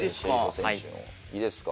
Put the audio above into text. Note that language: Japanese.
いいですか？